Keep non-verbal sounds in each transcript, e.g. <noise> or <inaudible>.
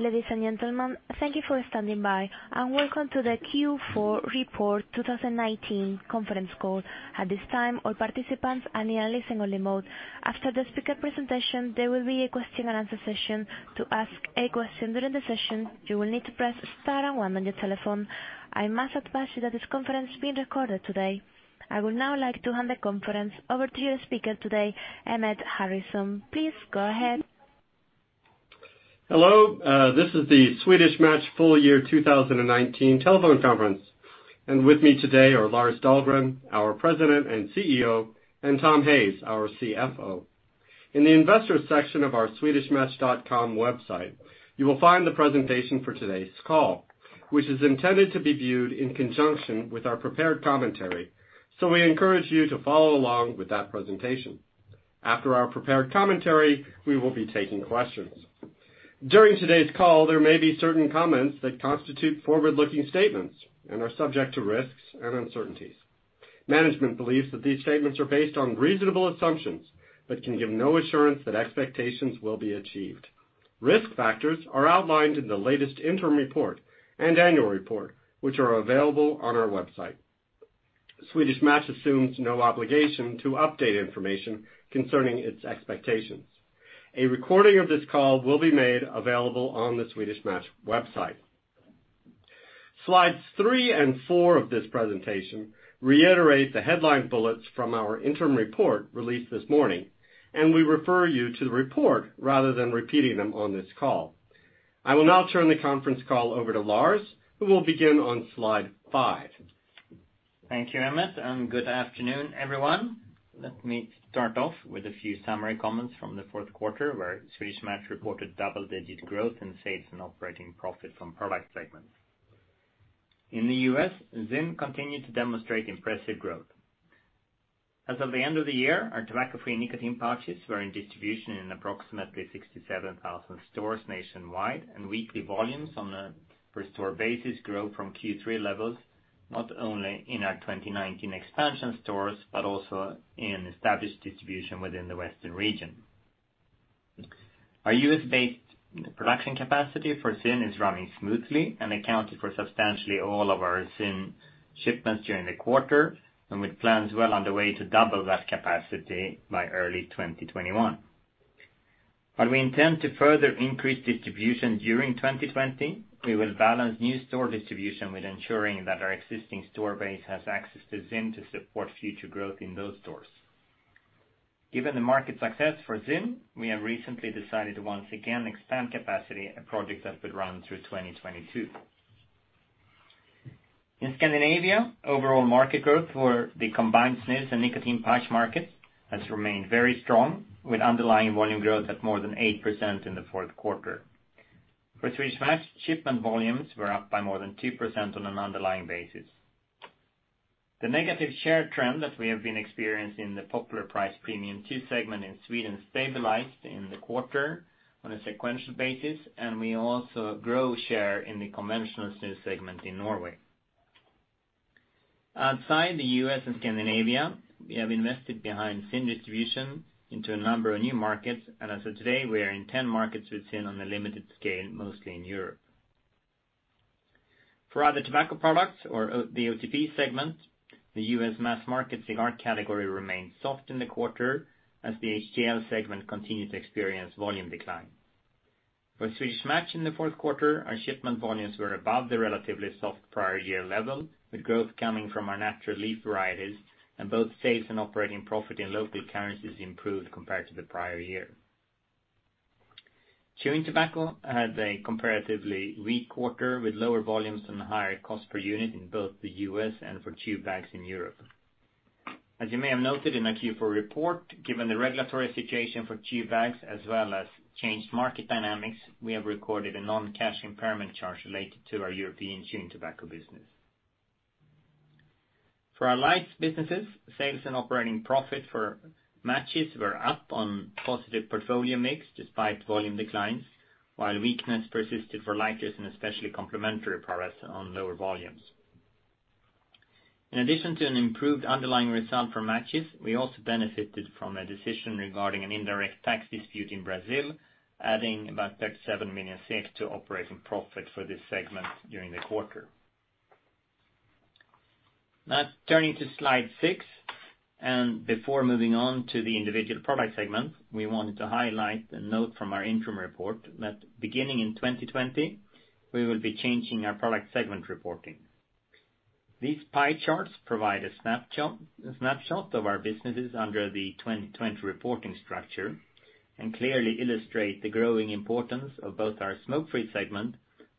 Ladies and gentlemen, thank you for standing by, and welcome to the Q4 Report 2019 conference call. At this time, all participants are in a listen only mode. After the speaker presentation, there will be a question and answer session. To ask a question during the session, you will need to press star and one on your telephone. I must advise you that this conference is being recorded today. I would now like to hand the conference over to your speaker today, Emmett Harrison. Please go ahead. Hello, this is the Swedish Match Full Year 2019 telephone conference. With me today are Lars Dahlgren, our President and CEO, and Tom Hayes, our CFO. In the investor section of our swedishmatch.com website, you will find the presentation for today's call, which is intended to be viewed in conjunction with our prepared commentary. We encourage you to follow along with that presentation. After our prepared commentary, we will be taking questions. During today's call, there may be certain comments that constitute forward-looking statements and are subject to risks and uncertainties. Management believes that these statements are based on reasonable assumptions but can give no assurance that expectations will be achieved. Risk factors are outlined in the latest interim report and annual report which are available on our website. Swedish Match assumes no obligation to update information concerning its expectations. A recording of this call will be made available on the Swedish Match website. Slides three and four of this presentation reiterate the headline bullets from our interim report released this morning, and we refer you to the report rather than repeating them on this call. I will now turn the conference call over to Lars, who will begin on slide five. Thank you, Emmett, and good afternoon, everyone. Let me start off with a few summary comments from the fourth quarter, where Swedish Match reported double-digit growth in sales and operating profit from product segments. In the U.S., ZYN continued to demonstrate impressive growth. As of the end of the year, our tobacco-free nicotine pouches were in distribution in approximately 67,000 stores nationwide, and weekly volumes on a per store basis grew from Q3 levels, not only in our 2019 expansion stores but also in established distribution within the Western region. Our U.S.-based production capacity for ZYN is running smoothly and accounted for substantially all of our ZYN shipments during the quarter and with plans well underway to double that capacity by early 2021. While we intend to further increase distribution during 2020, we will balance new store distribution with ensuring that our existing store base has access to ZYN to support future growth in those stores. Given the market success for ZYN, we have recently decided to once again expand capacity, a project that will run through 2022. In Scandinavia, overall market growth for the combined snus and nicotine pouch market has remained very strong, with underlying volume growth at more than 8% in the fourth quarter. For Swedish Match, shipment volumes were up by more than 2% on an underlying basis. The negative share trend that we have been experiencing in the popular price premium tier segment in Sweden stabilized in the quarter on a sequential basis, and we also grow share in the conventional snus segment in Norway. Outside the U.S. and Scandinavia, we have invested behind ZYN distribution into a number of new markets, and as of today, we are in 10 markets with ZYN on a limited scale, mostly in Europe. For other tobacco products or the OTP segment, the U.S. mass market cigar category remained soft in the quarter as the HTL segment continued to experience volume decline. For Swedish Match in the fourth quarter, our shipment volumes were above the relatively soft prior year level, with growth coming from our natural leaf varieties, and both sales and operating profit in local currencies improved compared to the prior year. Chewing tobacco had a comparatively weak quarter, with lower volumes and higher cost per unit in both the U.S. and for chew bags in Europe. As you may have noted in our Q4 report, given the regulatory situation for chew bags, as well as changed market dynamics, we have recorded a non-cash impairment charge related to our European chewing tobacco business. For our lights businesses, sales and operating profit for matches were up on positive portfolio mix despite volume declines, while weakness persisted for lighters and especially complementary products on lower volumes. In addition to an improved underlying result for matches, we also benefited from a decision regarding an indirect tax dispute in Brazil, adding about 37 million SEK to operating profit for this segment during the quarter. Turning to slide six, before moving on to the individual product segment, we wanted to highlight a note from our interim report that beginning in 2020, we will be changing our product segment reporting. These pie charts provide a snapshot of our businesses under the 2020 reporting structure and clearly illustrate the growing importance of both our smoke-free segment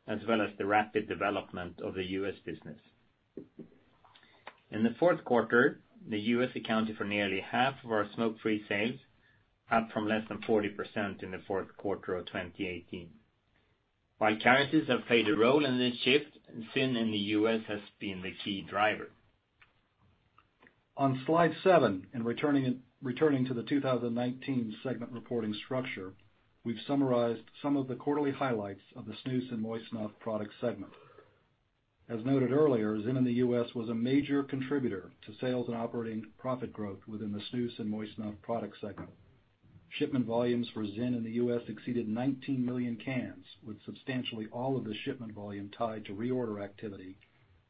as well as the rapid development of the U.S. business. In the fourth quarter, the U.S. accounted for nearly half of our smoke-free sales, up from less than 40% in the fourth quarter of 2018. While currencies have played a role in this shift, ZYN in the U.S. has been the key driver. On slide seven, in returning to the 2019 segment reporting structure, we've summarized some of the quarterly highlights of the snus and moist snuff product segment. As noted earlier, ZYN in the U.S. was a major contributor to sales and operating profit growth within the snus and moist snuff product segment. Shipment volumes for ZYN in the U.S. exceeded 19 million cans, with substantially all of the shipment volume tied to reorder activity,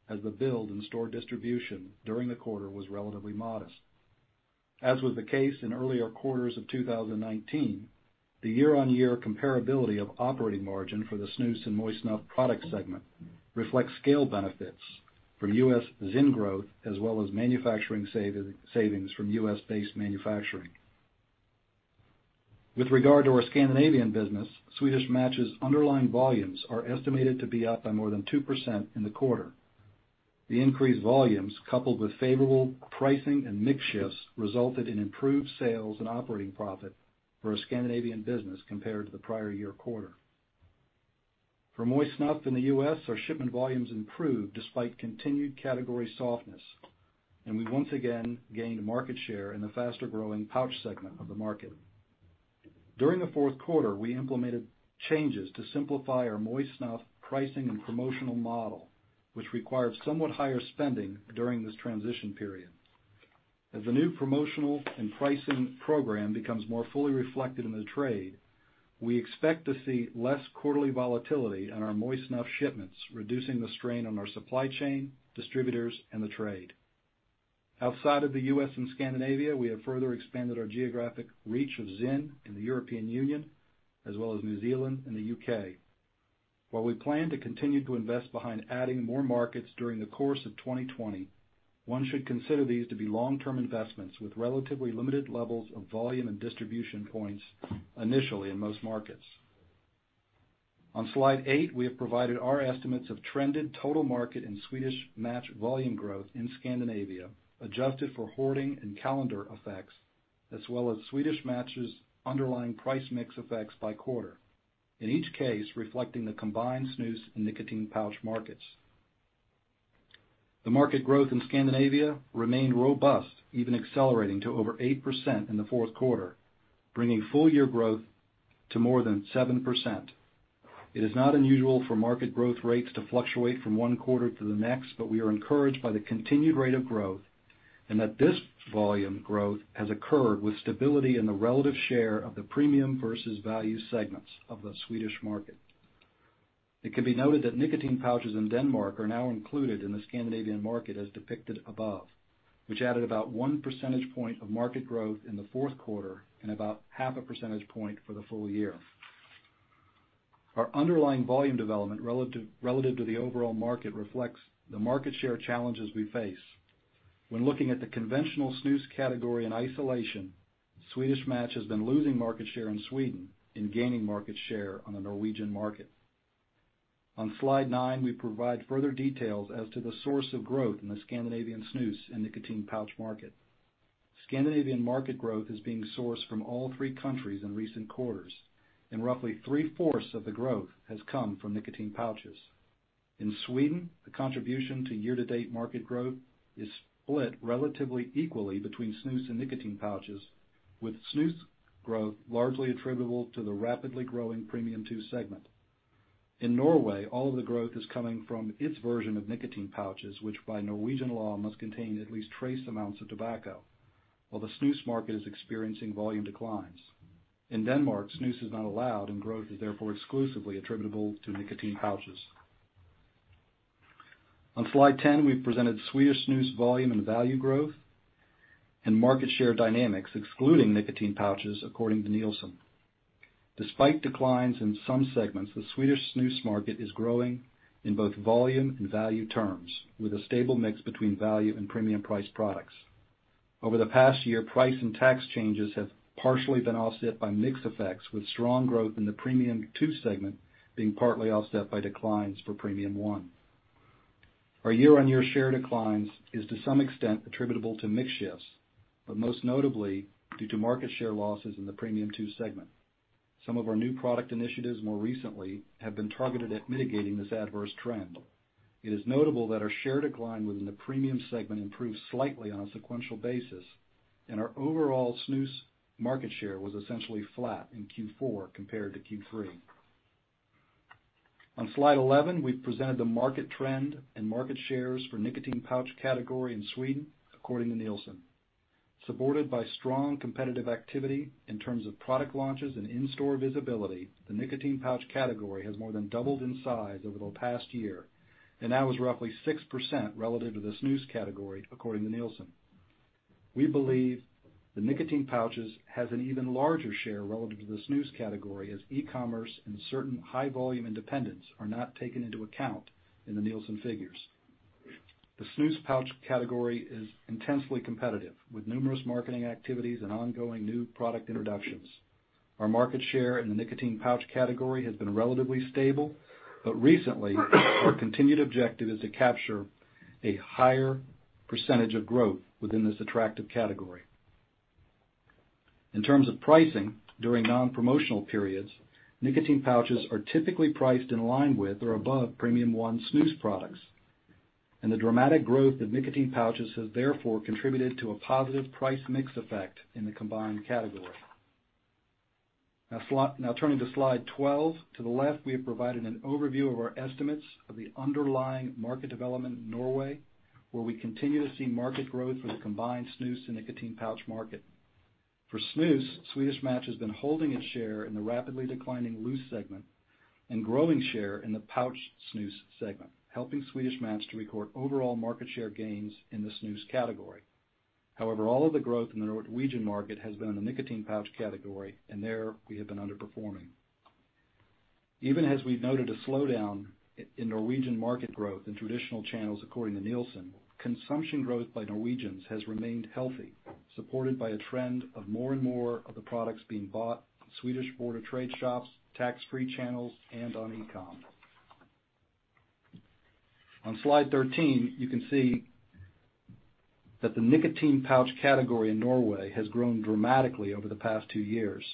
as the build in store distribution during the quarter was relatively modest. As was the case in earlier quarters of 2019, the year-over-year comparability of operating margin for the snus and moist snuff product segment reflects scale benefits from U.S. ZYN growth, as well as manufacturing savings from U.S.-based manufacturing. With regard to our Scandinavian business, Swedish Match's underlying volumes are estimated to be up by more than 2% in the quarter. The increased volumes, coupled with favorable pricing and mix shifts, resulted in improved sales and operating profit for our Scandinavian business compared to the prior year quarter. For moist snuff in the U.S., our shipment volumes improved despite continued category softness, and we once again gained market share in the faster-growing pouch segment of the market. During the fourth quarter, we implemented changes to simplify our moist snuff pricing and promotional model, which required somewhat higher spending during this transition period. As the new promotional and pricing program becomes more fully reflected in the trade, we expect to see less quarterly volatility in our moist snuff shipments, reducing the strain on our supply chain, distributors, and the trade. Outside of the U.S. and Scandinavia, we have further expanded our geographic reach of ZYN in the European Union, as well as New Zealand and the U.K. While we plan to continue to invest behind adding more markets during the course of 2020, one should consider these to be long-term investments with relatively limited levels of volume and distribution points initially in most markets. On slide eight, we have provided our estimates of trended total market and Swedish Match volume growth in Scandinavia, adjusted for hoarding and calendar effects, as well as Swedish Match's underlying price mix effects by quarter. In each case reflecting the combined snus and nicotine pouch markets. The market growth in Scandinavia remained robust, even accelerating to over 8% in the fourth quarter, bringing full-year growth to more than 7%. It is not unusual for market growth rates to fluctuate from one quarter to the next, but we are encouraged by the continued rate of growth and that this volume growth has occurred with stability in the relative share of the premium versus value segments of the Swedish market. It can be noted that nicotine pouches in Denmark are now included in the Scandinavian market as depicted above, which added about one percentage point of market growth in the fourth quarter and about half a percentage point for the full year. Our underlying volume development relative to the overall market reflects the market share challenges we face. When looking at the conventional snus category in isolation, Swedish Match has been losing market share in Sweden and gaining market share on the Norwegian market. On slide nine, we provide further details as to the source of growth in the Scandinavian snus and nicotine pouch market. Scandinavian market growth is being sourced from all three countries in recent quarters, and roughly three-fourths of the growth has come from nicotine pouches. In Sweden, the contribution to year-to-date market growth is split relatively equally between snus and nicotine pouches, with snus growth largely attributable to the rapidly growing Premium 2 segment. In Norway, all of the growth is coming from its version of nicotine pouches, which by Norwegian law must contain at least trace amounts of tobacco, while the snus market is experiencing volume declines. In Denmark, snus is not allowed and growth is therefore exclusively attributable to nicotine pouches. On slide 10, we've presented Swedish snus volume and value growth and market share dynamics excluding nicotine pouches, according to Nielsen. Despite declines in some segments, the Swedish snus market is growing in both volume and value terms, with a stable mix between value and premium priced products. Over the past year, price and tax changes have partially been offset by mix effects, with strong growth in the Premium 2 segment being partly offset by declines for Premium 1. Our year-on-year share declines is to some extent attributable to mix shifts, but most notably due to market share losses in the Premium 2 segment. Some of our new product initiatives more recently have been targeted at mitigating this adverse trend. It is notable that our share decline within the premium segment improved slightly on a sequential basis, and our overall snus market share was essentially flat in Q4 compared to Q3. On slide 11, we've presented the market trend and market shares for nicotine pouch category in Sweden according to Nielsen. Supported by strong competitive activity in terms of product launches and in-store visibility, the nicotine pouch category has more than doubled in size over the past year and now is roughly 6% relative to the snus category, according to Nielsen. We believe the nicotine pouches has an even larger share relative to the snus category, as e-commerce and certain high-volume independents are not taken into account in the Nielsen figures. The snus pouch category is intensely competitive, with numerous marketing activities and ongoing new product introductions. Recently, our continued objective is to capture a high er % of growth within this attractive category. In terms of pricing, during non-promotional periods, nicotine pouches are typically priced in line with or above Premium 1 snus products, and the dramatic growth of nicotine pouches has therefore contributed to a positive price mix effect in the combined category. Now turning to slide 12. To the left, we have provided an overview of our estimates of the underlying market development in Norway, where we continue to see market growth for the combined snus and nicotine pouch market. For snus, Swedish Match has been holding its share in the rapidly declining loose segment and growing share in the pouch snus segment, helping Swedish Match to record overall market share gains in the snus category. However, all of the growth in the Norwegian market has been in the nicotine pouch category, and there we have been underperforming. Even as we've noted a slowdown in Norwegian market growth in traditional channels according to Nielsen, consumption growth by Norwegians has remained healthy, supported by a trend of more and more of the products being bought, Swedish border trade shops, tax-free channels, and on e-com. On slide 13, you can see that the nicotine pouch category in Norway has grown dramatically over the past two years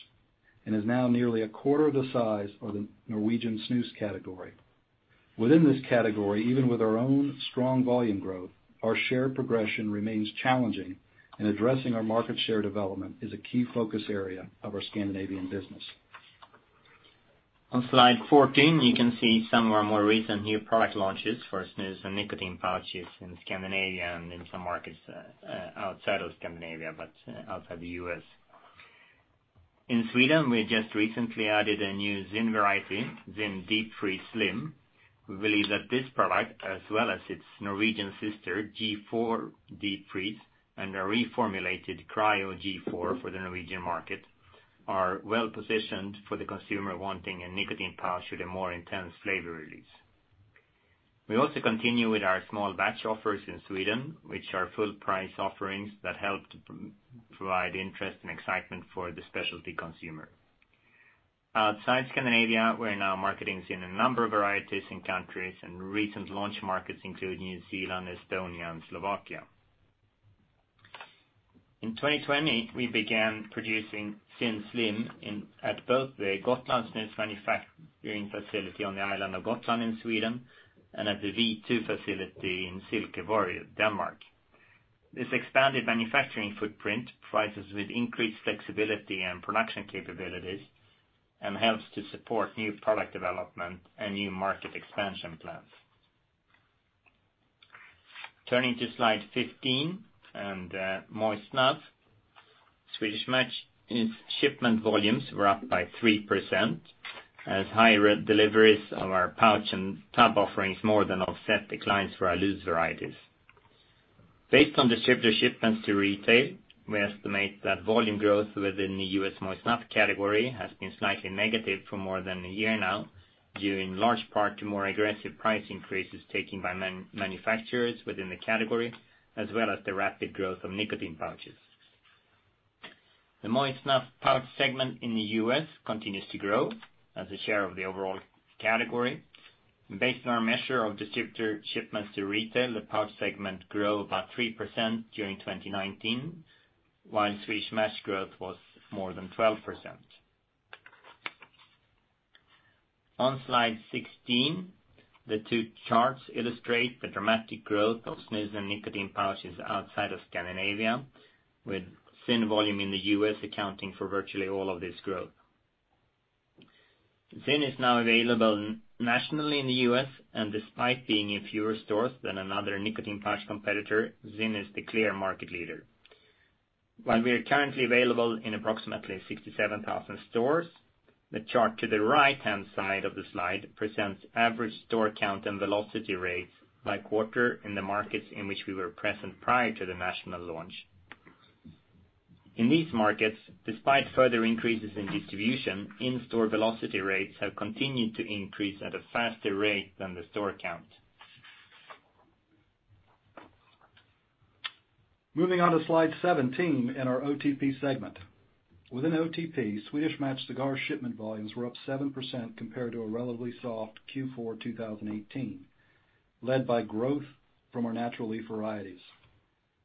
and is now nearly a quarter of the size of the Norwegian snus category. Within this category, even with our own strong volume growth, our share progression remains challenging, and addressing our market share development is a key focus area of our Scandinavian business. On slide 14, you can see some of our more recent new product launches for snus and nicotine pouches in Scandinavia and in some markets outside of Scandinavia, outside the U.S. In Sweden, we just recently added a new ZYN variety, ZYN Slim Deep Freeze. We believe that this product, as well as its Norwegian sister, G.4 Deep Freeze, and a reformulated G.4 Cryo for the Norwegian market, are well-positioned for the consumer wanting a nicotine pouch with a more intense flavor release. We also continue with our small batch offers in Sweden, which are full-price offerings that help to provide interest and excitement for the specialty consumer. Outside Scandinavia, we're now marketing ZYN in a number of varieties in countries, recent launch markets include New Zealand, Estonia, and Slovakia. In 2020, we began producing ZYN Slim at both the Gotlandssnus manufacturing facility on the island of Gotland in Sweden and at the V2 facility in Silkeborg, Denmark. This expanded manufacturing footprint provides us with increased flexibility and production capabilities and helps to support new product development and new market expansion plans. Turning to slide 15 and moist snuff. Swedish Match's shipment volumes were up by 3% as higher deliveries of our pouch and tub offerings more than offset declines for our loose varieties. Based on distributor shipments to retail, we estimate that volume growth within the U.S. moist snuff category has been slightly negative for more than a year now, due in large part to more aggressive price increases taken by manufacturers within the category, as well as the rapid growth of nicotine pouches. The moist snuff pouch segment in the U.S. continues to grow as a share of the overall category. Based on our measure of distributor shipments to retail, the pouch segment grew about 3% during 2019, while Swedish Match growth was more than 12%. On slide 16, the two charts illustrate the dramatic growth of snus and nicotine pouches outside of Scandinavia, with ZYN volume in the U.S. accounting for virtually all of this growth. ZYN is now available nationally in the U.S., and despite being in fewer stores than another nicotine pouch competitor, ZYN is the clear market leader. While we are currently available in approximately 67,000 stores, the chart to the right-hand side of the slide presents average store count and velocity rates by quarter in the markets in which we were present prior to the national launch. In these markets, despite further increases in distribution, in-store velocity rates have continued to increase at a faster rate than the store count. Moving on to slide 17 and our OTP segment. Within OTP, Swedish Match cigar shipment volumes were up 7% compared to a relatively soft Q4 2018, led by growth from our natural leaf varieties.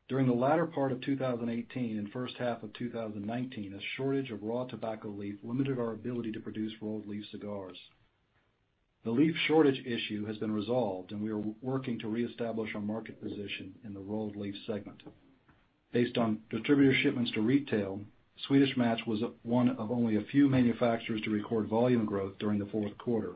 During the latter part of 2018 and first half of 2019, a shortage of raw tobacco leaf limited our ability to produce rolled leaf cigars. The leaf shortage issue has been resolved, we are working to reestablish our market position in the rolled leaf segment. Based on distributor shipments to retail, Swedish Match was one of only a few manufacturers to record volume growth during the fourth quarter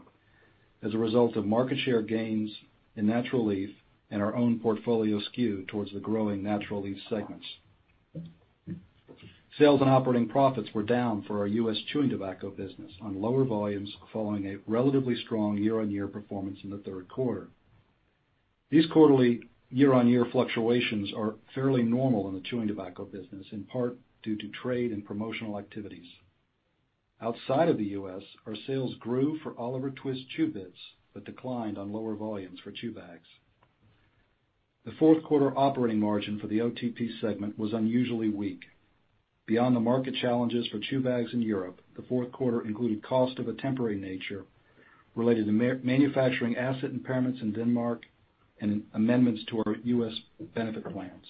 as a result of market share gains in natural leaf and our own portfolio skew towards the growing natural leaf segments. Sales and operating profits were down for our U.S. chewing tobacco business on lower volumes following a relatively strong year-on-year performance in the third quarter. These quarterly year-over-year fluctuations are fairly normal in the chewing tobacco business, in part due to trade and promotional activities. Outside of the U.S., our sales grew for Oliver Twist chew bits but declined on lower volumes for chew bags. The fourth quarter operating margin for the OTP segment was unusually weak. Beyond the market challenges for chew bags in Europe, the fourth quarter included cost of a temporary nature related to manufacturing asset impairments in Denmark and amendments to our U.S. benefit plans.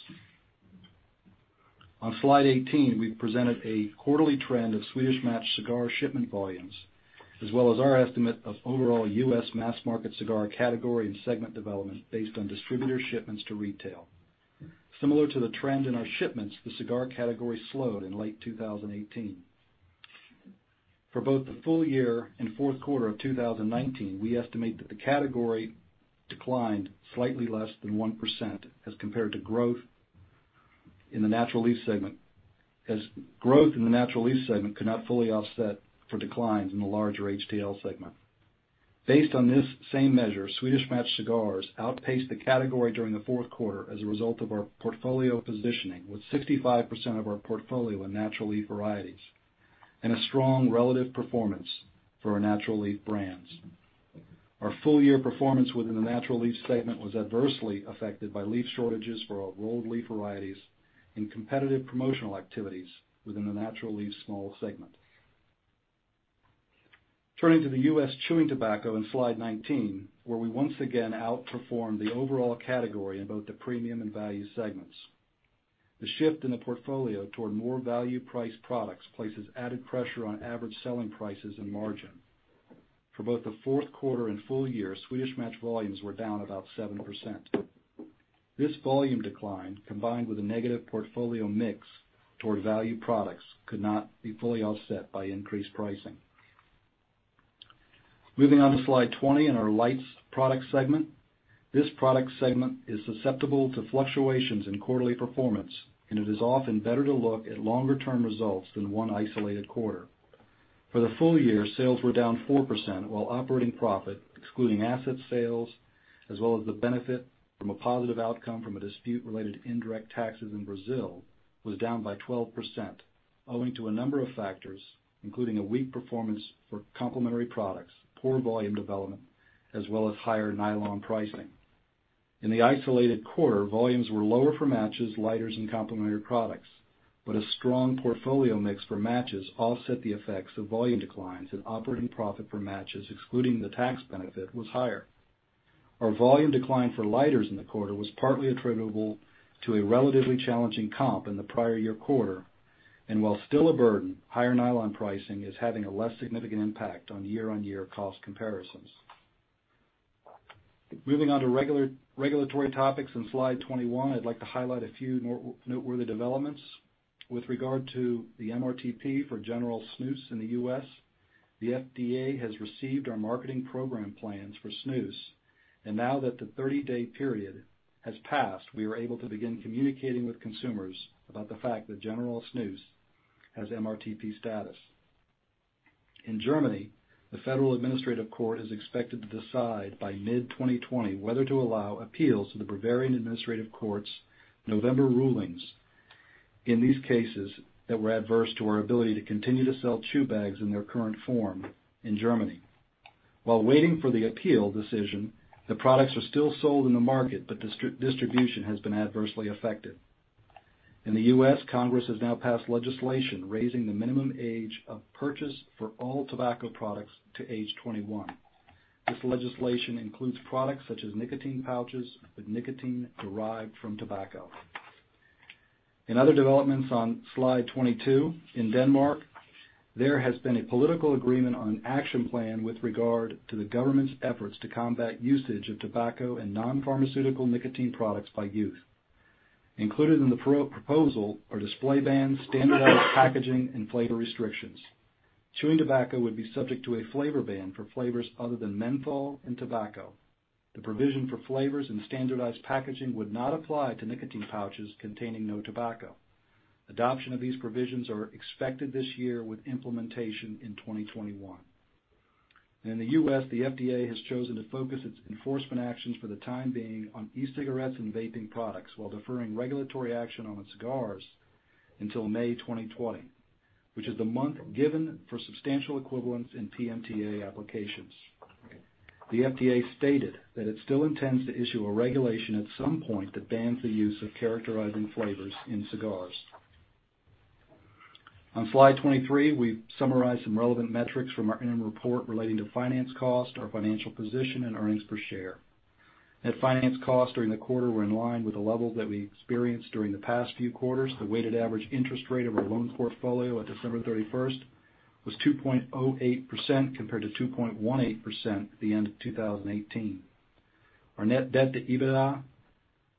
On slide 18, we presented a quarterly trend of Swedish Match cigar shipment volumes. As well as our estimate of overall U.S. mass market cigar category and segment development based on distributor shipments to retail. Similar to the trend in our shipments, the cigar category slowed in late 2018. For both the full year and fourth quarter of 2019, we estimate that the category declined slightly less than 1% as compared to growth in the natural leaf segment, as growth in the natural leaf segment could not fully offset for declines in the larger HTL segment. Based on this same measure, Swedish Match cigars outpaced the category during the fourth quarter as a result of our portfolio positioning with 65% of our portfolio in natural leaf varieties, and a strong relative performance for our natural leaf brands. Our full-year performance within the natural leaf segment was adversely affected by leaf shortages for our rolled leaf varieties and competitive promotional activities within the natural leaf small segment. Turning to the U.S. chewing tobacco on slide 19, where we once again outperformed the overall category in both the premium and value segments. The shift in the portfolio toward more value-priced products places added pressure on average selling prices and margin. For both the fourth quarter and full year, Swedish Match volumes were down about 7%. This volume decline, combined with a negative portfolio mix toward value products could not be fully offset by increased pricing. Moving on to slide 20 in our lights product segment. This product segment is susceptible to fluctuations in quarterly performance, and it is often better to look at longer-term results than one isolated quarter. For the full year, sales were down 4%, while operating profit, excluding asset sales as well as the benefit from a positive outcome from a dispute related to indirect taxes in Brazil, was down by 12%, owing to a number of factors, including a weak performance for complementary products, poor volume development, as well as higher nylon pricing. In the isolated quarter, volumes were lower for matches, lighters, and complementary products but a strong portfolio mix for matches offset the effects of volume declines and operating profit for matches, excluding the tax benefit, was higher. Our volume decline for lighters in the quarter was partly attributable to a relatively challenging comp in the prior year quarter. While still a burden, higher nylon pricing is having a less significant impact on year-on-year cost comparisons. Moving on to regulatory topics on slide 21, I'd like to highlight a few noteworthy developments. With regard to the MRTP for General Snus in the U.S., the FDA has received our marketing program plans for snus, and now that the 30-day period has passed, we are able to begin communicating with consumers about the fact that General Snus has MRTP status. In Germany, the Federal Administrative Court is expected to decide by mid-2020 whether to allow appeals to the Bavarian Administrative Court's November rulings in these cases that were adverse to our ability to continue to sell chew bags in their current form in Germany. While waiting for the appeal decision, the products are still sold in the market but distribution has been adversely affected. In the U.S., Congress has now passed legislation raising the minimum age of purchase for all tobacco products to age 21. This legislation includes products such as nicotine pouches with nicotine derived from tobacco. In other developments on Slide 22, in Denmark, there has been a political agreement on an action plan with regard to the government's efforts to combat usage of tobacco and non-pharmaceutical nicotine products by youth. Included in the proposal are display bans, standardized packaging, and flavor restrictions. Chewing tobacco would be subject to a flavor ban for flavors other than menthol and tobacco. The provision for flavors and standardized packaging would not apply to nicotine pouches containing no tobacco. Adoption of these provisions are expected this year with implementation in 2021. In the U.S., the FDA has chosen to focus its enforcement actions for the time being on e-cigarettes and vaping products while deferring regulatory action on cigars until May 2020, which is the month given for substantial equivalence in PMTA applications. The FDA stated that it still intends to issue a regulation at some point that bans the use of characterizing flavors in cigars. On slide 23, we've summarized some relevant metrics from our interim report relating to finance cost, our financial position, and earnings per share. Net finance costs during the quarter were in line with the level that we experienced during the past few quarters. The weighted average interest rate of our loan portfolio on December 31st was 2.08% compared to 2.18% at the end of 2018. Our net debt to EBITDA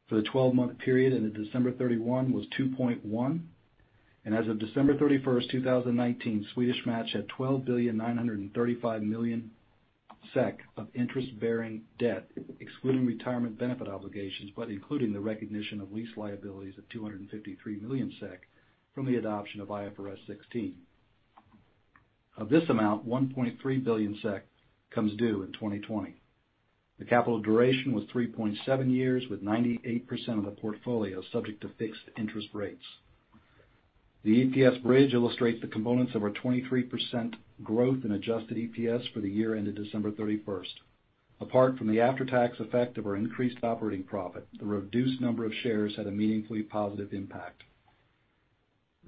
for the 12-month period ended December 31 was 2.1, and as of December 31st, 2019, Swedish Match had 12,935,000,000 SEK of interest-bearing debt, excluding retirement benefit obligations but including the recognition of lease liabilities of 253 million SEK from the adoption of IFRS 16. Of this amount, 1.3 billion SEK comes due in 2020. The capital duration was 3.7 years, with 98% of the portfolio subject to fixed interest rates. The EPS bridge illustrates the components of our 23% growth in adjusted EPS for the year ended December 31st. Apart from the after-tax effect of our increased operating profit, the reduced number of shares had a meaningfully positive impact.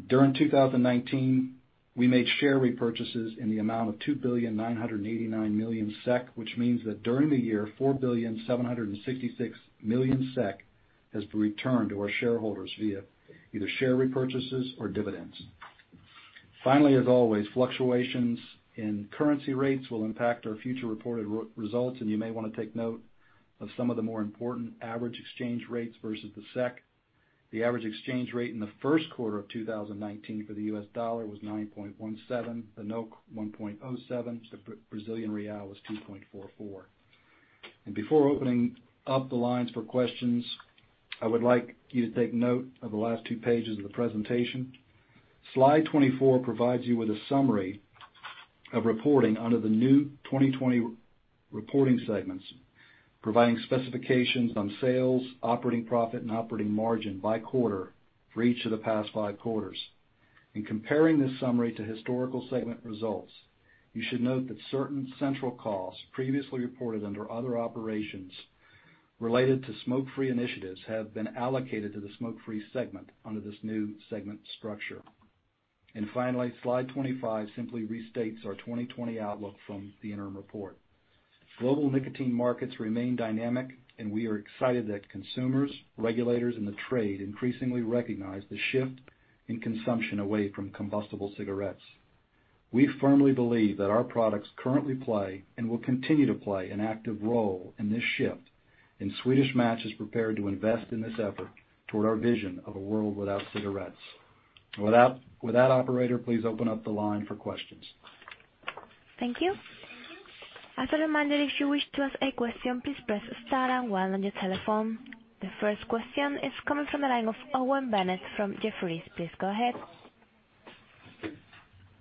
During 2019, we made share repurchases in the amount of 2,989,000,000 SEK, which means that during the year, 4,766,000,000 SEK has been returned to our shareholders via either share repurchases or dividends. Finally, as always, fluctuations in currency rates will impact our future reported results, you may want to take note of some of the more important average exchange rates versus the SEK. The average exchange rate in the first quarter of 2019 for the US dollar was 9.17. The 1.07. The Brazilian real was 2.44. Before opening up the lines for questions, I would like you to take note of the last two pages of the presentation. Slide 24 provides you with a summary of reporting under the new 2020 reporting segments, providing specifications on sales, operating profit and operating margin by quarter for each of the past five quarters. In comparing this summary to historical segment results, you should note that certain central costs previously reported under other operations related to smoke-free initiatives have been allocated to the smoke-free segment under this new segment structure. Finally, slide 25 simply restates our 2020 outlook from the interim report. Global nicotine markets remain dynamic, and we are excited that consumers, regulators, and the trade increasingly recognize the shift in consumption away from combustible cigarettes. We firmly believe that our products currently play and will continue to play an active role in this shift, and Swedish Match is prepared to invest in this effort toward our vision of a world without cigarettes. With that, operator, please open up the line for questions. Thank you. As a reminder, if you wish to ask a question, please press star one on your telephone. The first question is coming from the line of Owen Bennett from Jefferies. Please go ahead.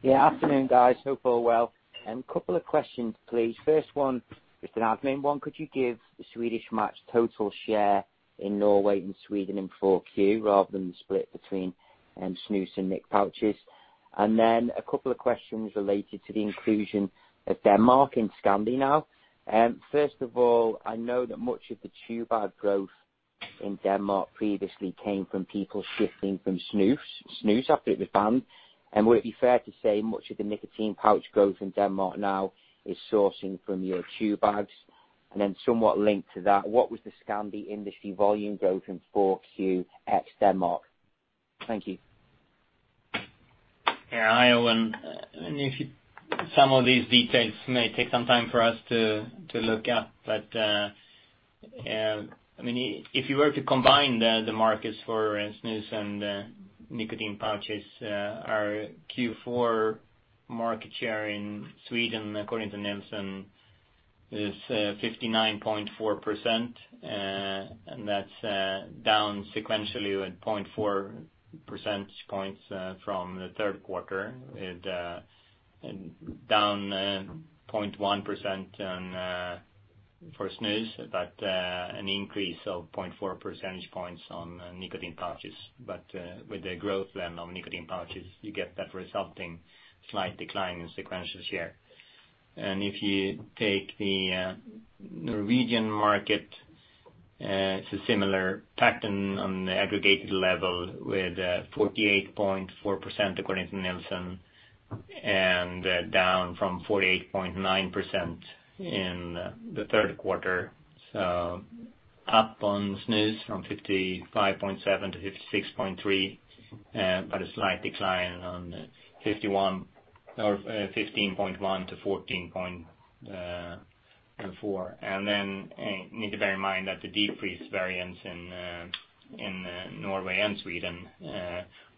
Yeah. Afternoon, guys. Hope all well. A couple of questions, please. First one, just an admin one. Could you give the Swedish Match total share in Norway and Sweden in 4Q rather than split between snus and nic pouches? A couple of questions related to the inclusion of Denmark in Scandi now. First of all, I know that much of the chew bags growth in Denmark previously came from people shifting from snus after it was banned. Would it be fair to say much of the nicotine pouch growth in Denmark now is sourcing from your chew bags? Somewhat linked to that, what was the Scandi industry volume growth in 4Q ex Denmark? Thank you. Yeah. Hi, Owen. Some of these details may take some time for us to look up. If you were to combine the markets for snus and nicotine pouches, our Q4 market share in Sweden, according to Nielsen, is 59.4%, and that's down sequentially with 0.4 percentage points from the third quarter, down 0.1% for snus but an increase of 0.4 percentage points on nicotine pouches. With the growth then of nicotine pouches, you get that resulting slight decline in sequential share. If you take the Norwegian market, it's a similar pattern on the aggregated level with 48.4%, according to Nielsen, and down from 48.9% in the third quarter. Up on snus from 55.7%-56.3% but a slight decline on 15.1%-14.4%. You need to bear in mind that the deep freeze variants in Norway and Sweden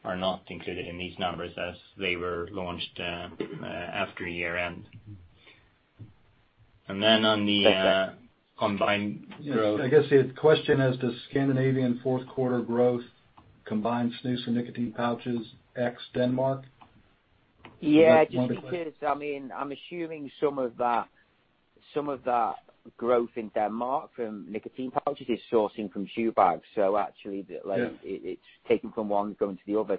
are not included in these numbers as they were launched after year-end. On the combined growth- I guess the question is, does Scandinavian fourth quarter growth combine snus and nicotine pouches ex Denmark? Yeah. <crosstalk> Is that the question? <crosstalk> Just because, I'm assuming some of that growth in Denmark from nicotine pouches is sourcing from chew bags. Yeah <crosstalk> it's taking from one, going to the other.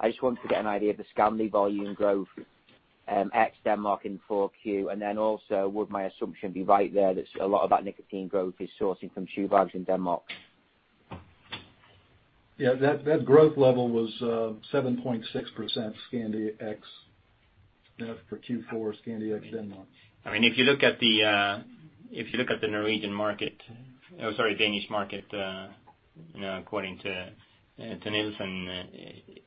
I just wanted to get an idea of the Scandi volume growth ex Denmark in 4Q. Also, would my assumption be right there that a lot of that nicotine growth is sourcing from chew bags in Denmark? Yeah, that growth level was 7.6% for Q4 Scandi ex Denmark. If you look at the Danish market, according to Nielsen,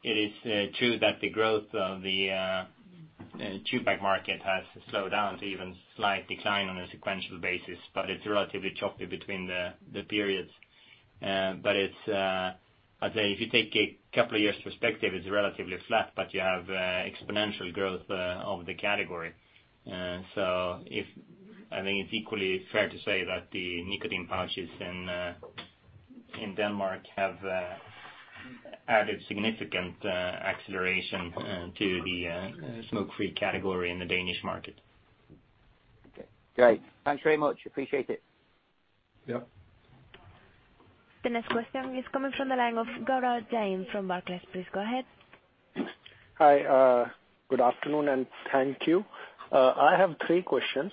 it is true that the growth of the chew bag market has slowed down to even slight decline on a sequential basis. It's relatively choppy between the periods. If you take a couple of years perspective, it's relatively flat, but you have exponential growth of the category. I think it's equally fair to say that the nicotine pouches in Denmark have added significant acceleration to the smoke-free category in the Danish market. Okay, great. Thanks very much. Appreciate it. Yep. The next question is coming from the line of Gaurav Jain from Barclays. Please go ahead. Hi. Good afternoon and thank you. I have three questions.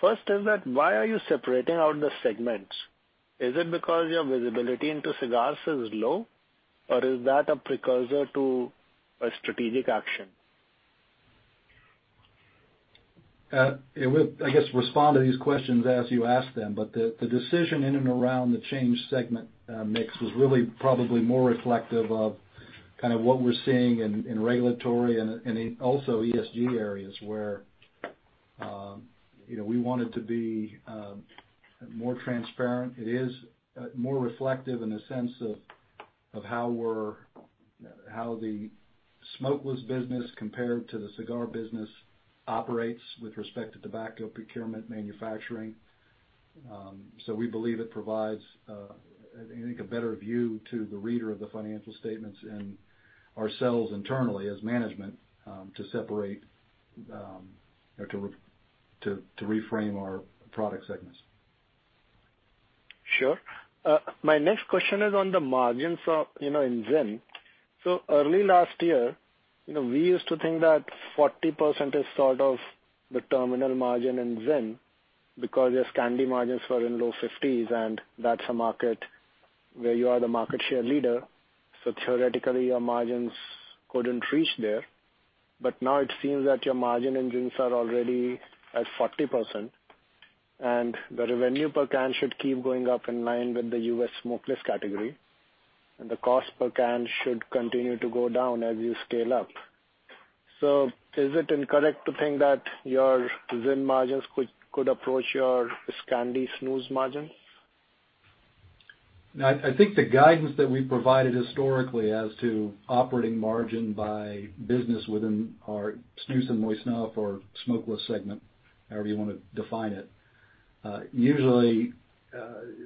First is that why are you separating out the segments? Is it because your visibility into cigars is low, or is that a precursor to a strategic action? I guess respond to these questions as you ask them. The decision in and around the change segment mix was really probably more reflective of what we're seeing in regulatory and also ESG areas where we wanted to be more transparent. It is more reflective in the sense of how the smokeless business, compared to the cigar business, operates with respect to tobacco procurement manufacturing. We believe it provides, I think, a better view to the reader of the financial statements and ourselves internally as management, to separate or to reframe our product segments. Sure. My next question is on the margins in ZYN. Early last year, we used to think that 40% is sort of the terminal margin in ZYN because your Scandi margins were in low 50s and that's a market where you are the market share leader. Theoretically, your margins couldn't reach there. Now it seems that your margin in ZYNs are already at 40% and the revenue per can should keep going up in line with the U.S. smokeless category, and the cost per can should continue to go down as you scale up. Is it incorrect to think that your ZYN margins could approach your Scandi snus margins? No, I think the guidance that we've provided historically as to operating margin by business within our snus and moist snuff or smokeless segment, however you want to define it, usually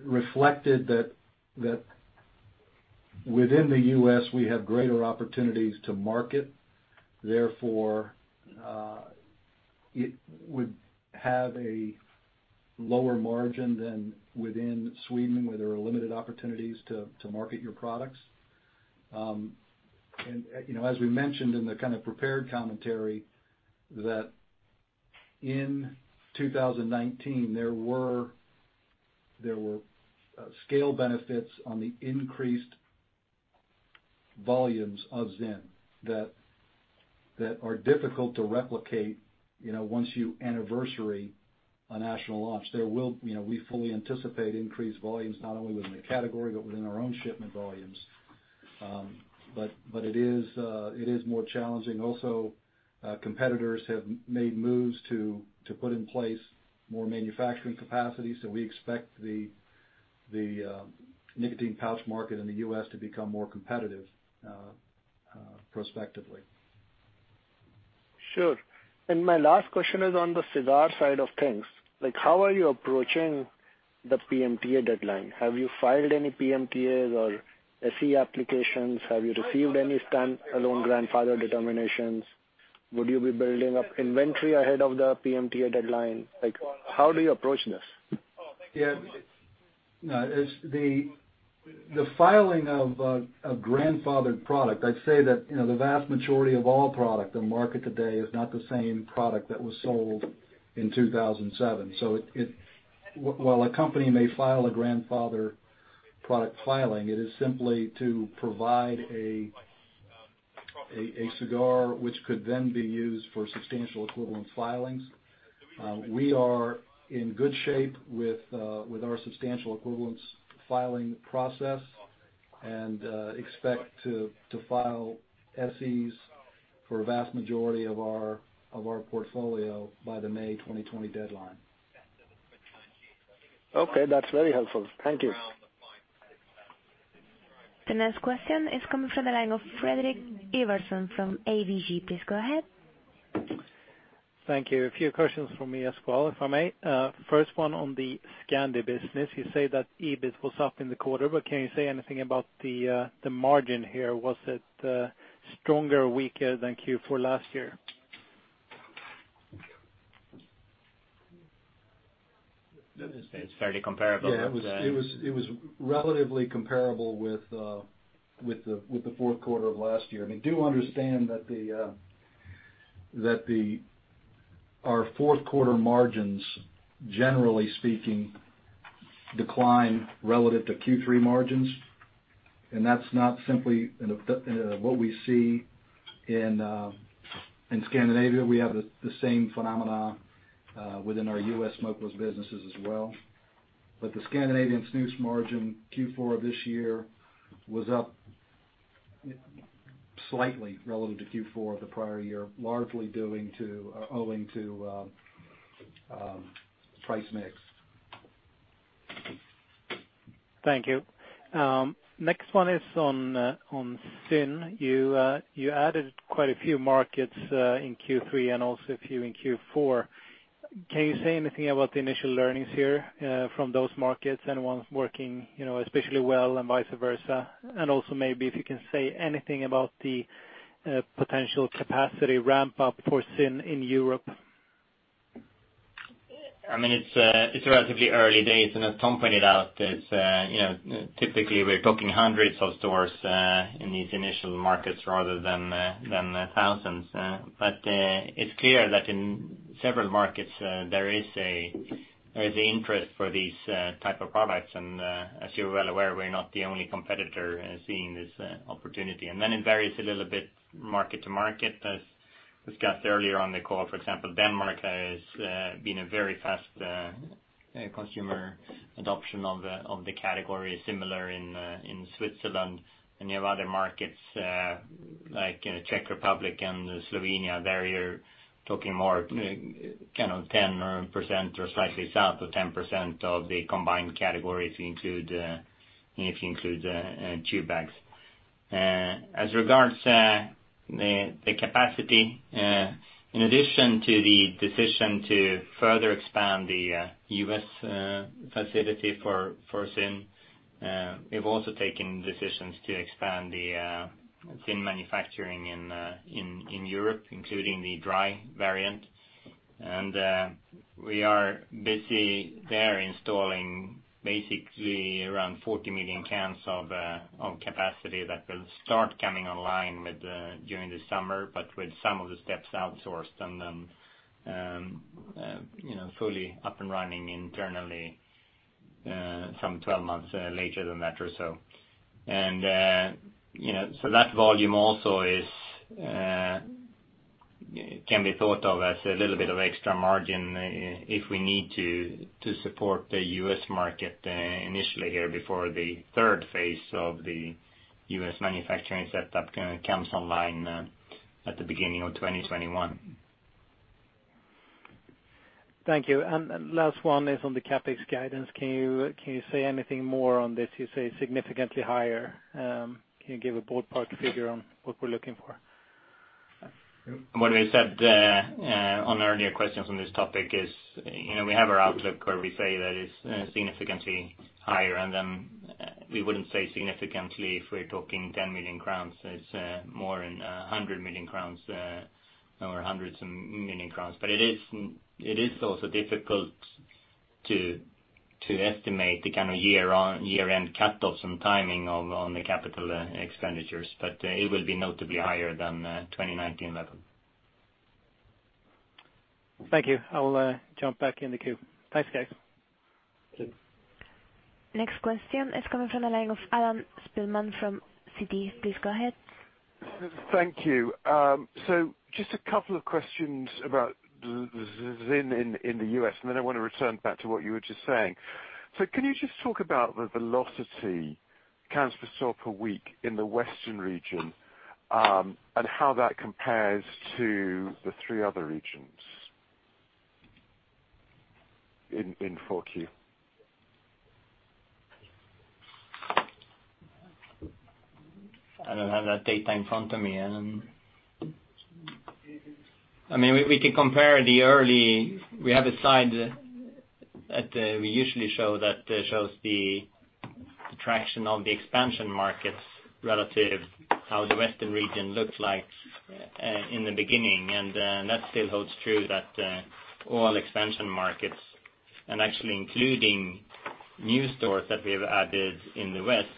reflected that within the U.S., we have greater opportunities to market, therefore, it would have a lower margin than within Sweden, where there are limited opportunities to market your products. As we mentioned in the prepared commentary that in 2019, there were scale benefits on the increased volumes of ZYN that are difficult to replicate once you anniversary a national launch. We fully anticipate increased volumes, not only within the category but within our own shipment volumes. It is more challenging. Also, competitors have made moves to put in place more manufacturing capacity, so we expect the nicotine pouch market in the U.S. to become more competitive, prospectively. Sure. My last question is on the cigar side of things. How are you approaching the PMTA deadline? Have you filed any PMTAs or SE applications? Have you received any stand-alone grandfather determinations? Would you be building up inventory ahead of the PMTA deadline? How do you approach this? Yeah. The filing of a grandfathered product, I'd say that, the vast majority of all product and market today is not the same product that was sold in 2007. While a company may file a grandfather product filing, it is simply to provide a cigar, which could then be used for substantial equivalence filings. We are in good shape with our substantial equivalence filing process and expect to file SEs for a vast majority of our portfolio by the May 2020 deadline. Okay. That's very helpful. Thank you. The next question is coming from the line of Fredrik Ivarsson from ABG. Please go ahead. Thank you. A few questions from me as well, if I may. First one on the Scandi business. You say that EBIT was up in the quarter, but can you say anything about the margin here? Was it stronger or weaker than Q4 last year? It's fairly comparable. It was relatively comparable with the fourth quarter of last year. I mean, do understand that our fourth quarter margins, generally speaking, decline relative to Q3 margins, and that's not simply what we see in Scandinavia. We have the same phenomena within our U.S. smokeless businesses as well. The Scandinavian snus margin Q4 of this year was up slightly relative to Q4 of the prior year, largely owing to price mix. Thank you. Next one is on ZYN. You added quite a few markets in Q3 and also a few in Q4. Can you say anything about the initial learnings here from those markets and ones working especially well and vice versa? Also maybe if you can say anything about the potential capacity ramp-up for ZYN in Europe. It's relatively early days. As Tom pointed out, typically, we're talking hundreds of stores in these initial markets rather than thousands. It's clear that in several markets, there is interest for these type of products. As you're well aware, we're not the only competitor seeing this opportunity. It varies a little bit market to market as discussed earlier on the call. For example, Denmark has seen a very fast consumer adoption of the category, similar in Switzerland and other markets like Czech Republic and Slovenia. There you're talking more 10% or slightly south of 10% of the combined categories if you include chew bags. As regards the capacity, in addition to the decision to further expand the U.S. facility for ZYN, we've also taken decisions to expand the ZYN manufacturing in Europe, including the dry variant. We are busy there installing basically around 40 million cans of capacity that will start coming online during the summer but with some of the steps outsourced and then fully up and running internally some 12 months later than that or so. That volume also can be thought of as a little bit of extra margin if we need to support the U.S. market initially here before the third phase of the U.S. manufacturing setup comes online at the beginning of 2021. Thank you. Last one is on the CapEx guidance. Can you say anything more on this? You say significantly higher. Can you give a ballpark figure on what we're looking for? What I said on earlier questions on this topic is, we have our outlook where we say that it's significantly higher, and then we wouldn't say significantly if we're talking 10 million crowns. It's more in 100 million crowns or hundreds of millions of SEK. It is also difficult to estimate the kind of year-end cutoff and timing on the CapEx but it will be notably higher than 2019 level. Thank you. I'll jump back in the queue. Thanks, guys. Thank you. Next question is coming from the line of Adam Spielman from Citi. Please go ahead. Thank you. Just a couple of questions about ZYN in the U.S., and then I want to return back to what you were just saying. Can you just talk about the velocity cans for store per week in the western region, and how that compares to the three other regions in 4Q? I don't have that data in front of me, Adam. We can compare. We have a slide that we usually show that shows the traction of the expansion markets relative how the western region looked like in the beginning. That still holds true that all expansion markets and actually including new stores that we've added in the west,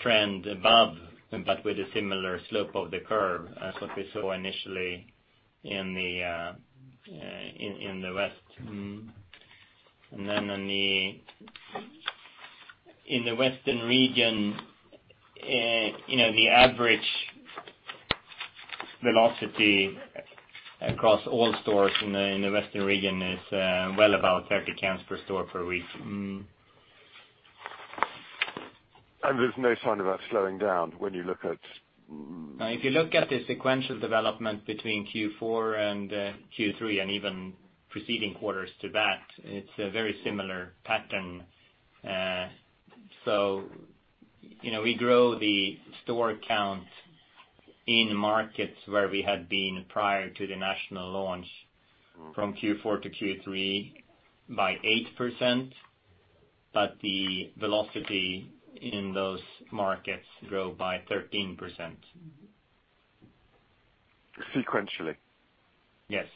trend above but with a similar slope of the curve as what we saw initially in the west. In the western region, the average velocity across all stores in the western region is well above 30 cans per store per week. There's no sign of that slowing down. If you look at the sequential development between Q4 and Q3 and even preceding quarters to that, it's a very similar pattern. We grow the store count in markets where we had been prior to the national launch from Q4 to Q3 by 8%. The velocity in those markets grow by 13%. Sequentially? Yes.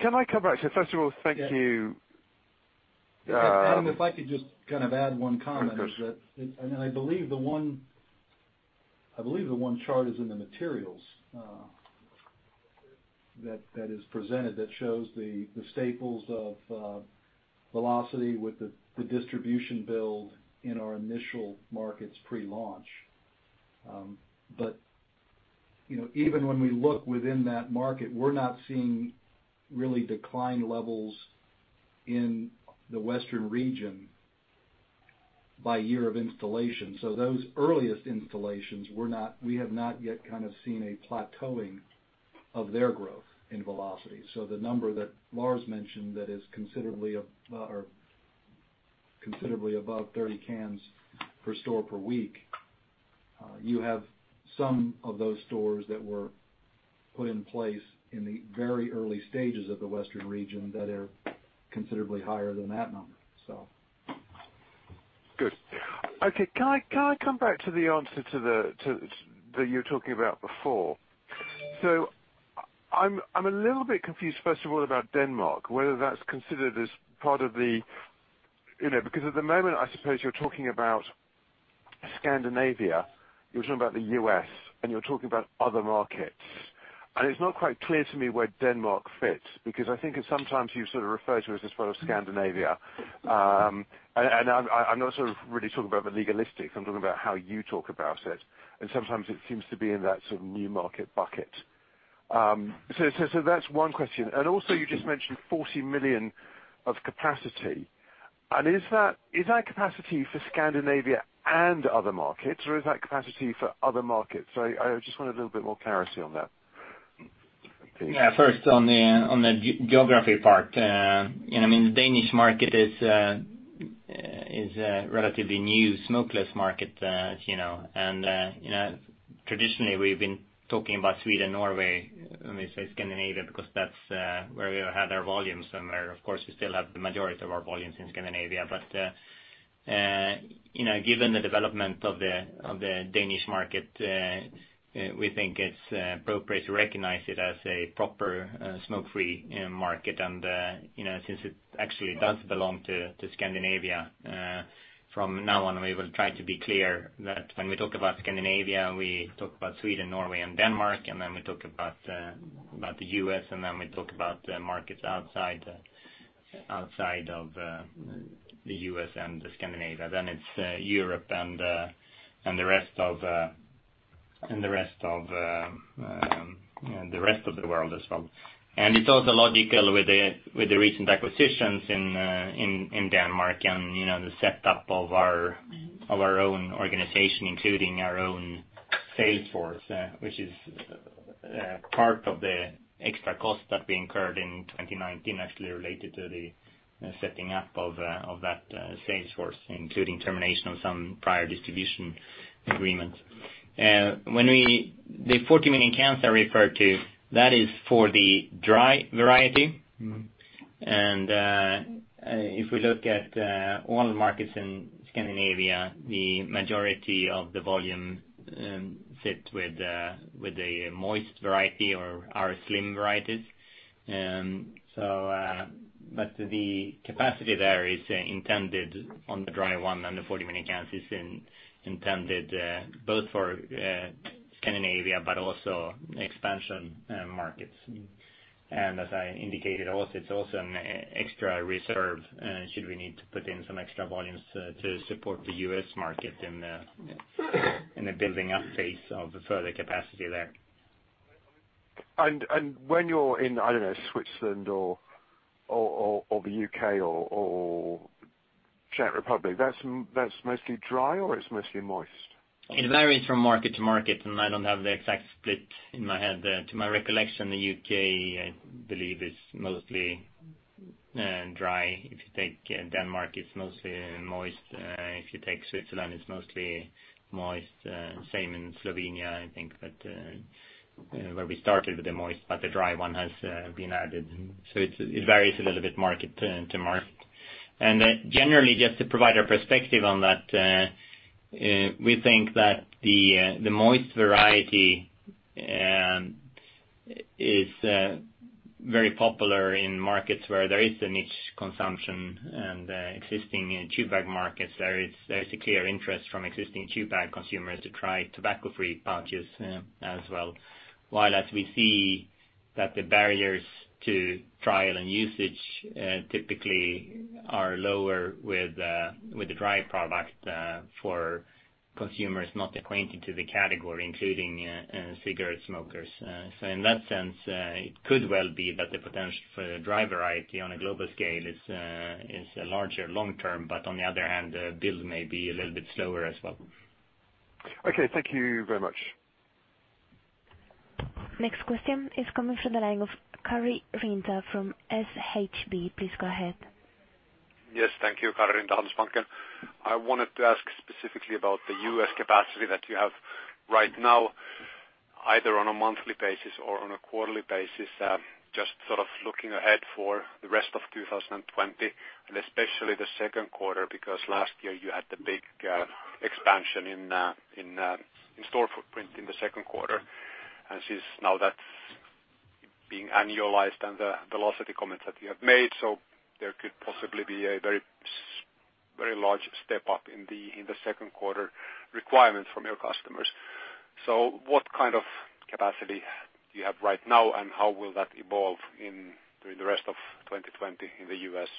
First of all, thank you. Adam, if I could just add one comment. Of course. I believe the one chart is in the materials that is presented that shows the levels of velocity with the distribution build in our initial markets pre-launch. Even when we look within that market, we're not seeing really decline levels in the western region by year of installation. Those earliest installations, we have not yet seen a plateauing of their growth in velocity. The number that Lars mentioned that is considerably above 30 cans per store per week, you have some of those stores that were put in place in the very early stages of the western region that are considerably higher than that number. Good. Okay. Can I come back to the answer that you were talking about before? I'm a little bit confused, first of all, about Denmark, whether that's considered as part of the. Because at the moment, I suppose you're talking about Scandinavia, you're talking about the U.S., and you're talking about other markets. It's not quite clear to me where Denmark fits because I think sometimes you sort of refer to it as part of Scandinavia. I'm not really talking about the legalistic, I'm talking about how you talk about it, and sometimes it seems to be in that sort of new market bucket. That's one question. Also you just mentioned 40 million of capacity. Is that capacity for Scandinavia and other markets, or is that capacity for other markets? I just wanted a little bit more clarity on that, please. First on the geography part. The Danish market is a relatively new smokeless market. Traditionally we've been talking about Sweden, Norway, when we say Scandinavia, because that's where we had our volumes and where, of course, we still have the majority of our volumes in Scandinavia. Given the development of the Danish market, we think it's appropriate to recognize it as a proper smoke-free market. Since it actually does belong to Scandinavia, from now on, we will try to be clear that when we talk about Scandinavia, we talk about Sweden, Norway and Denmark, and then we talk about the U.S., and then we talk about markets outside of the U.S. and the Scandinavia. It's Europe and the rest of the world as well. It's also logical with the recent acquisitions in Denmark and the setup of our own organization, including our own sales force which is part of the extra cost that we incurred in 2019, actually related to the setting up of that sales force, including termination of some prior distribution agreements. The 40 million cans I referred to, that is for the dry variety. If we look at all markets in Scandinavia, the majority of the volume sit with the moist variety or our slim varieties. The capacity there is intended on the dry one, and the 40 million cans is intended both for Scandinavia but also expansion markets. As I indicated, it's also an extra reserve, should we need to put in some extra volumes to support the U.S. market in the building up phase of further capacity there. When you're in, I don't know, Switzerland or the U.K. or Czech Republic, that's mostly dry or it's mostly moist? It varies from market to market and I don't have the exact split in my head. To my recollection, the U.K., I believe, is mostly dry. If you take Denmark, it's mostly moist. If you take Switzerland, it's mostly moist. Same in Slovenia, I think, where we started with the moist but the dry one has been added. It varies a little bit market to market. Generally, just to provide our perspective on that, we think that the moist variety is very popular in markets where there is a niche consumption and existing chew bag markets. There is a clear interest from existing chew bag consumers to try tobacco-free pouches as well. While as we see that the barriers to trial and usage typically are lower with the dry product for consumers not acquainted to the category, including cigarette smokers. In that sense, it could well be that the potential for the dry variety on a global scale is larger long term, but on the other hand, the build may be a little bit slower as well. Okay. Thank you very much. Next question is coming from the line of Karri Rinta from Handelsbanken. Please go ahead. Yes, thank you. Karri Rinta, Handelsbanken. I wanted to ask specifically about the U.S. capacity that you have right now, either on a monthly basis or on a quarterly basis, just sort of looking ahead for the rest of 2020 and especially the second quarter because last year you had the big expansion in store footprint in the second quarter. Since now that's being annualized and the velocity comments that you have made, there could possibly be a very large step up in the second quarter requirements from your customers. What kind of capacity do you have right now, and how will that evolve during the rest of 2020 in the U.S.?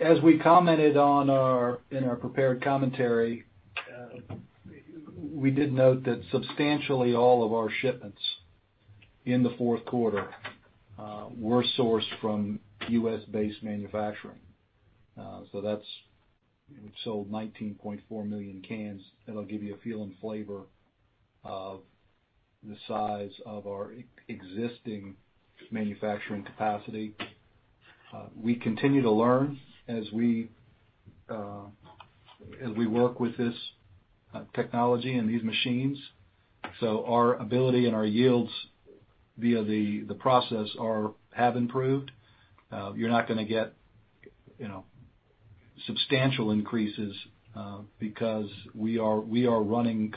As we commented in our prepared commentary, we did note that substantially all of our shipments in the fourth quarter were sourced from U.S.-based manufacturing. That's sold 19.4 million cans. That'll give you a feel and flavor of the size of our existing manufacturing capacity. We continue to learn as we work with this technology and these machines. Our ability and our yields via the process have improved. You're not going to get substantial increases, because we are running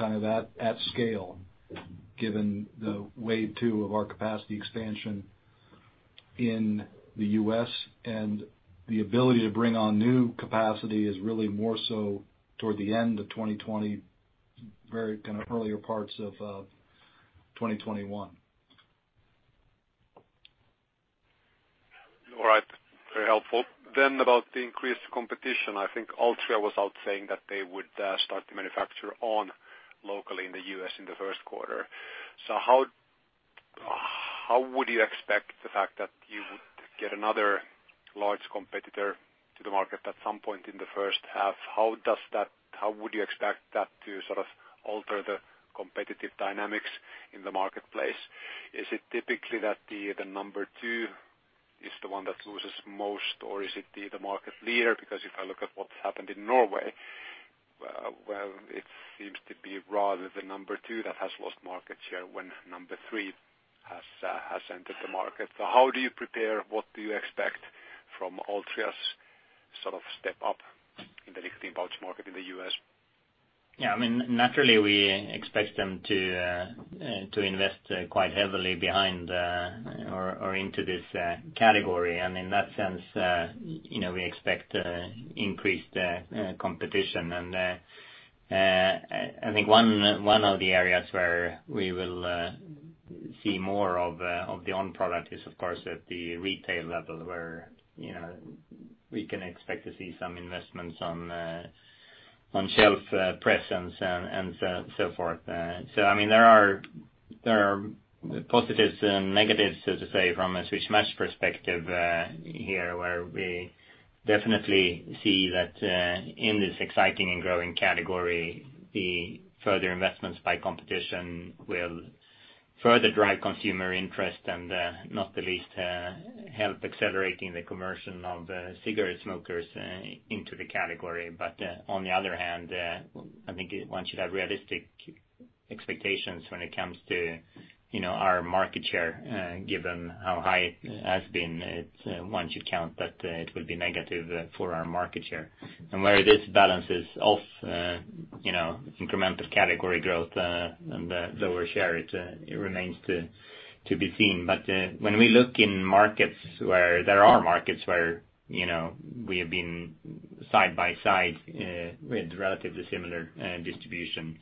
at scale given the wave 2 of our capacity expansion in the U.S., and the ability to bring on new capacity is really more so toward the end of 2020, very earlier parts of 2021. All right. Very helpful. About the increased competition, I think Altria was out saying that they would start to manufacture on locally in the U.S. in the first quarter. How would you expect the fact that you would get another large competitor to the market at some point in the first half? How would you expect that to sort of alter the competitive dynamics in the marketplace? Is it typically that the number two is the one that loses most, or is it the market leader? If I look at what's happened in Norway, where it seems to be rather the number two that has lost market share when number three has entered the market. How do you prepare? What do you expect from Altria's sort of step up in the nicotine pouch market in the U.S.? Naturally we expect them to invest quite heavily behind or into this category. In that sense, we expect increased competition. I think one of the areas where we will see more of the on-product is, of course, at the retail level where we can expect to see some investments on shelf presence and so forth. There are positives and negatives, so to say, from a Swedish Match perspective here, where we definitely see that in this exciting and growing category, the further investments by competition will further drive consumer interest and, not the least, help accelerating the conversion of cigarette smokers into the category. On the other hand, I think one should have realistic expectations when it comes to our market share, given how high it has been. One should count that it will be negative for our market share. Where this balance is off incremental category growth and lower share, it remains to be seen. When we look in markets where there are markets where we have been side by side with relatively similar distribution,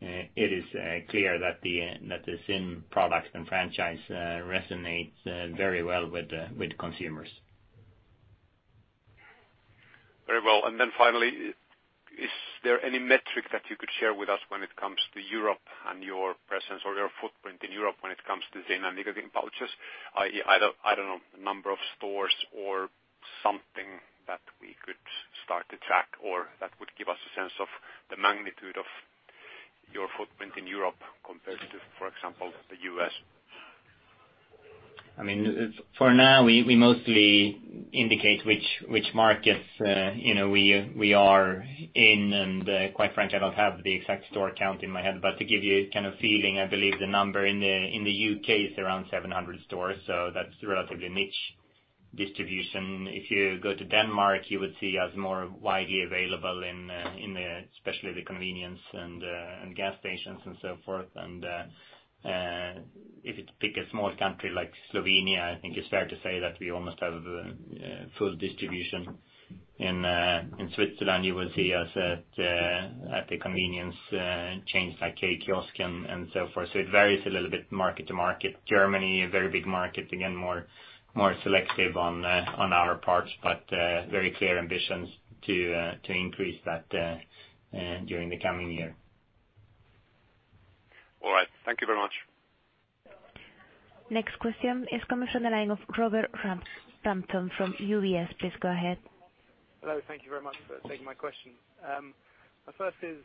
it is clear that the ZYN products and franchise resonates very well with consumers. Very well, finally, is there any metric that you could share with us when it comes to Europe and your presence or your footprint in Europe when it comes to ZYN and nicotine pouches, i.e., I don't know, number of stores or something that we could start to track, or that would give us a sense of the magnitude of your footprint in Europe compared to, for example, the U.S.? For now, we mostly indicate which markets we are in, and quite frankly, I don't have the exact store count in my head. To give you a kind of feeling, I believe the number in the U.K. is around 700 stores. That's relatively niche distribution. If you go to Denmark, you would see us more widely available in especially the convenience and gas stations and so forth. If you pick a small country like Slovenia, I think it's fair to say that we almost have full distribution. In Switzerland, you will see us at the convenience chains like k kiosk and so forth. It varies a little bit market to market. Germany, a very big market, again, more selective on our parts but very clear ambitions to increase that during the coming year. All right. Thank you very much. Next question is coming from the line of Robert Rampton from UBS. Please go ahead. Hello. Thank you very much for taking my question. My first is,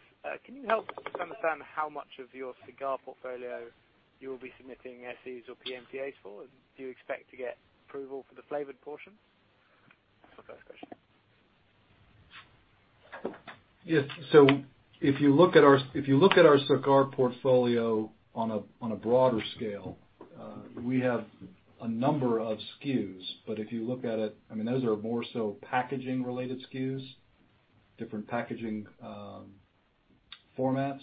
can you help understand how much of your cigar portfolio you will be submitting SE or PMTAs for, and do you expect to get approval for the flavored portion? That's my first question. Yes. If you look at our cigar portfolio on a broader scale, we have a number of SKUs. If you look at it, those are more so packaging-related SKUs, different packaging formats.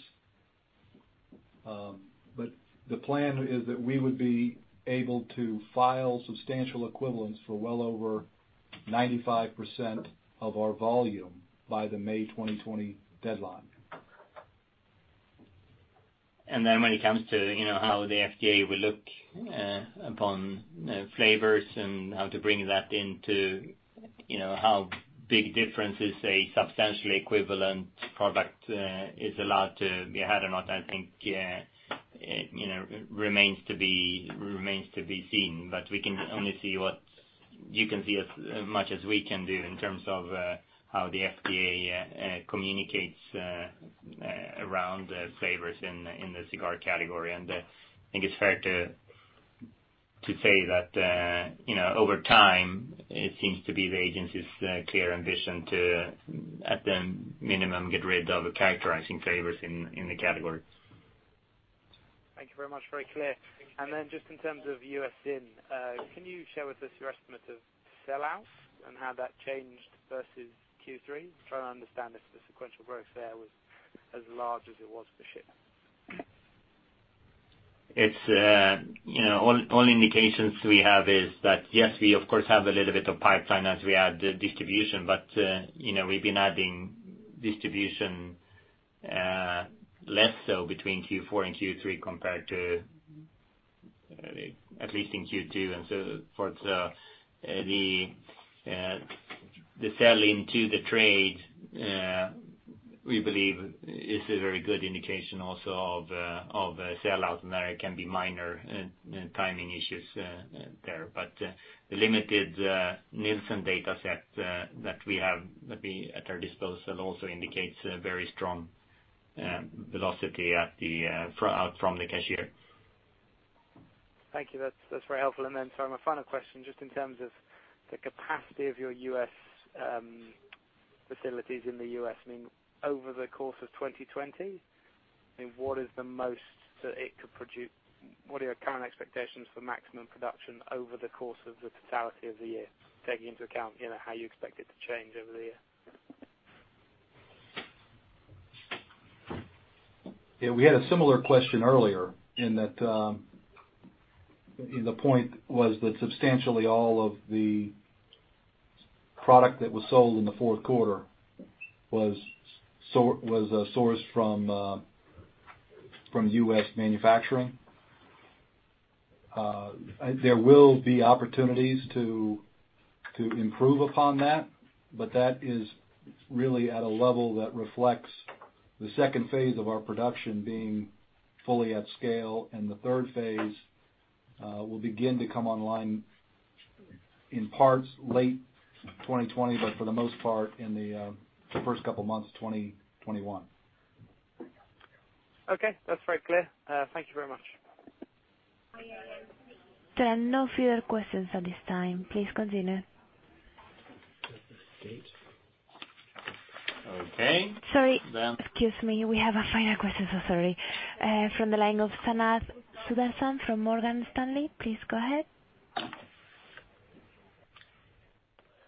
The plan is that we would be able to file substantial equivalents for well over 95% of our volume by the May 2020 deadline. Then when it comes to how the FDA will look upon flavors and how to bring that into how big a difference is a substantially equivalent product is allowed to be had or not, I think remains to be seen. We can only see what you can see as much as we can do in terms of how the FDA communicates around flavors in the cigar category. I think it's fair to say that over time, it seems to be the agency's clear ambition to, at the minimum, get rid of characterizing flavors in the category. Thank you very much. Very clear. Just in terms of U.S. ZYN, can you share with us your estimate of sell-outs and how that changed versus Q3? I am trying to understand if the sequential growth there was as large as it was for shipments. All indications we have is that, yes, we of course have a little bit of pipeline as we add distribution but we've been adding distribution less so between Q4 and Q3 compared to at least in Q2. For the sell into the trade, we believe is a very good indication also of sell-out, and there can be minor timing issues there. The limited Nielsen data set that we have at our disposal also indicates a very strong velocity out from the cashier. Thank you. That's very helpful. Sorry, my final question, just in terms of the capacity of your facilities in the U.S., over the course of 2020, what is the most that it could produce? What are your current expectations for maximum production over the course of the totality of the year, taking into account how you expect it to change over the year? Yeah, we had a similar question earlier in that the point was that substantially all of the product that was sold in the fourth quarter was sourced from U.S. manufacturing. There will be opportunities to improve upon that but that is really at a level that reflects the second phase of our production being fully at scale, and the third phase will begin to come online in parts late 2020 but for the most part in the first couple of months of 2021. Okay, that's very clear. Thank you very much. There are no further questions at this time. Please continue. Okay. Sorry. Excuse me. We have a final question. Sorry. From the line of Sanath Sudarsan from Morgan Stanley. Please go ahead.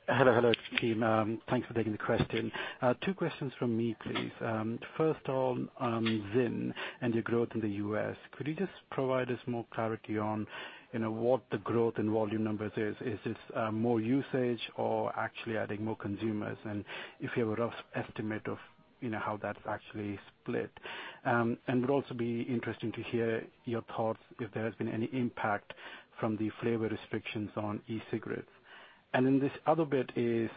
Hello, team. Thanks for taking the question. Two questions from me, please. First on ZYN and your growth in the U.S. Could you just provide us more clarity on what the growth in volume numbers is? Is this more usage or actually adding more consumers? If you have a rough estimate of how that's actually split. Would also be interesting to hear your thoughts if there has been any impact from the flavor restrictions on e-cigarettes. This other bit is,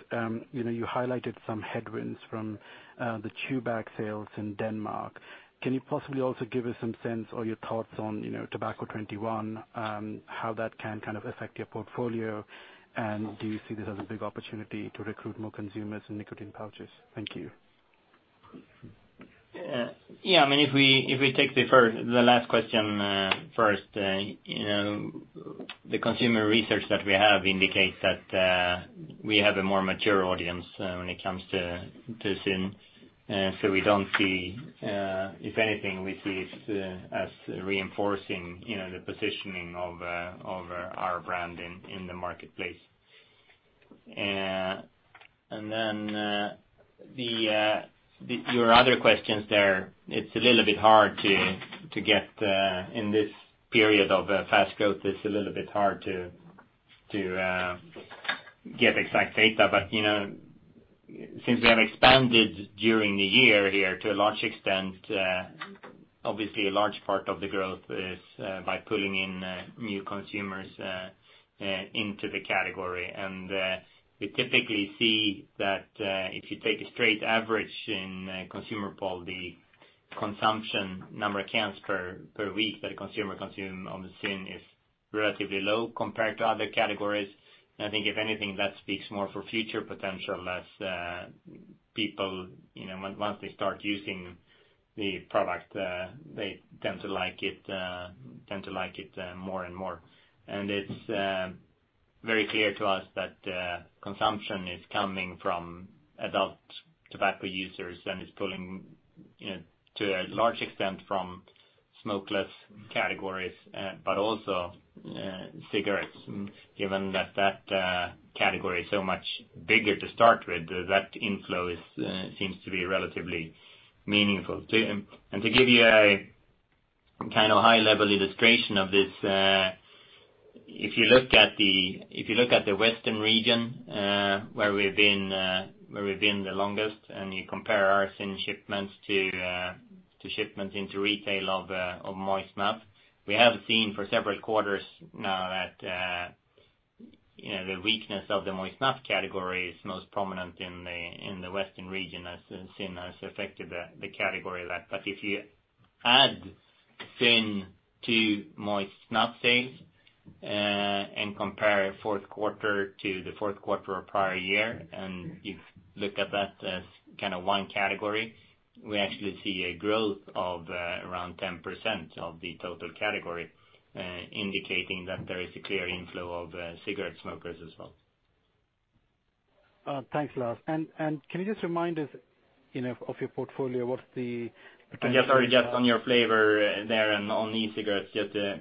you highlighted some headwinds from the chew bag sales in Denmark. Can you possibly also give us some sense or your thoughts on Tobacco 21, how that can affect your portfolio, and do you see this as a big opportunity to recruit more consumers in nicotine pouches? Thank you. Yeah, if we take the last question first, the consumer research that we have indicates that we have a more mature audience when it comes to ZYN. If anything, we see it as reinforcing the positioning of our brand in the marketplace. Your other questions there, in this period of fast growth, it's a little bit hard to get exact data. Since we have expanded during the year here to a large extent, obviously a large part of the growth is by pulling in new consumers into the category. We typically see that if you take a straight average in consumer poll, the consumption number of cans per week that a consumer consume on ZYN is relatively low compared to other categories. I think if anything, that speaks more for future potential as people, once they start using the product, they tend to like it more and more. It's very clear to us that consumption is coming from adult tobacco users and is pulling to a large extent from smokeless categories but also cigarettes, given that that category is so much bigger to start with, that inflow seems to be relatively meaningful. To give you a high-level illustration of this, if you look at the Western region, where we've been the longest, and you compare our ZYN shipments to shipments into retail of moist snuff, we have seen for several quarters now that the weakness of the moist snuff category is most prominent in the Western region as ZYN has affected the category less. If you add ZYN to moist snuff sales and compare fourth quarter to the fourth quarter of prior year and if you look at that as one category, we actually see a growth of around 10% of the total category, indicating that there is a clear inflow of cigarette smokers as well. Thanks, Lars. Can you just remind us of your portfolio? What's the potential. Sorry, just on your flavor there and on e-cigarettes, just a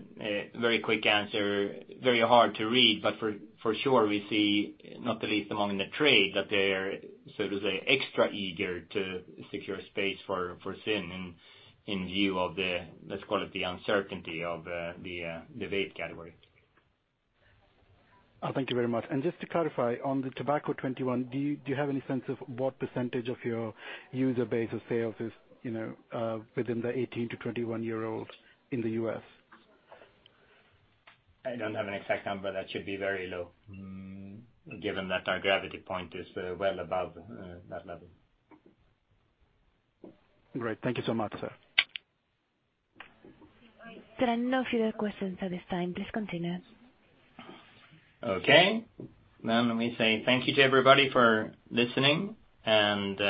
very quick answer. Very hard to read but for sure, we see, not the least among the trade that they're, so to say, extra eager to secure space for ZYN in view of the, let's call it the uncertainty of the vape category. Thank you very much. Just to clarify, on the Tobacco 21, do you have any sense of what percentage of your user base of sales is within the 18 year old-21 year old in the U.S.? I don't have an exact number. That should be very low, given that our gravity point is well above that level. Great. Thank you so much, sir. There are no further questions at this time. Please continue. Okay. Let me say thank you to everybody for listening and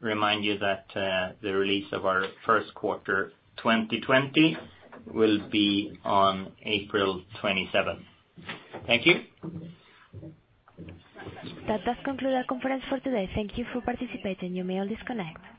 remind you that the release of our first quarter 2020 will be on April 27th. Thank you. That does conclude our conference for today. Thank you for participating. You may all disconnect.